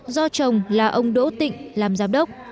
do chồng là ông đỗ tịnh làm giám đốc